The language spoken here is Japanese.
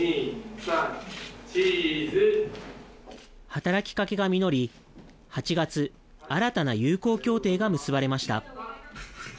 働きかけが実り８月新たな友好協定が結ばれました。